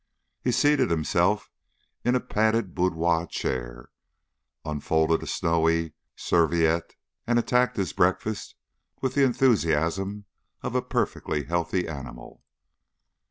He seated himself in a padded boudoir chair, unfolded a snowy serviette and attacked his breakfast with the enthusiasm of a perfectly healthy animal.